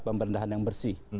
pemberendahan yang bersih